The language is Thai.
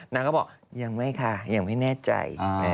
นางก็บอกยังไม่ค่ะยังไม่แน่ใจ